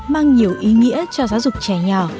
mang nhiều ý nghĩa cho giáo dục trẻ nhỏ